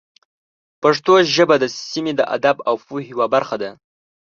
پښتو ژبه د سیمې د ادب او پوهې یوه برخه ده.